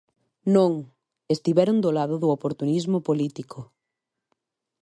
¡Non!, estiveron do lado do oportunismo político.